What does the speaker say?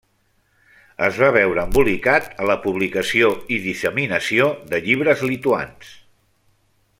Es va veure embolicat a la publicació i disseminació de llibres lituans.